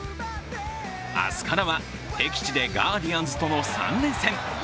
明日からは敵地でガーディアンズとの３連戦。